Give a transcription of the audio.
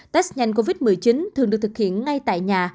test nhanh covid một mươi chín thường được thực hiện ngay tại nhà